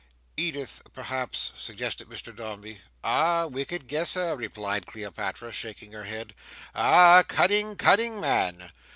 "Edith, perhaps—" suggested Mr Dombey. "Ah! wicked guesser!" replied Cleopatra, shaking her head. "Ah! cunning, cunning man!